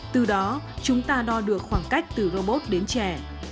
từ đó chúng ta đo được khoảng cách từ robot đến trẻ